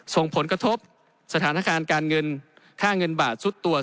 ส่งผลกระทบสถานการณ์การเงินค่าเงินบาทซุดตัว